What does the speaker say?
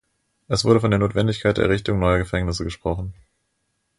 Es wurde von der Notwendigkeit der Errichtung neuer Gefängnisse gesprochen.